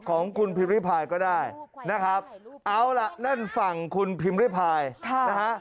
ของคุณพิมริพายก็ได้นะครับเอาล่ะนั่นฝั่งคุณพิมพ์ริพายนะฮะ